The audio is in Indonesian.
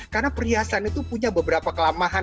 karena perhiasan itu punya beberapa kelemahan